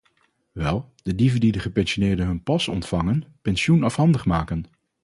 Wel, de dieven die de gepensioneerden hun pas ontvangen pensioen afhandig maken.